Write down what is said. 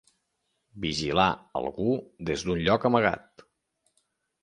Vigilar algú des d'un lloc amagat.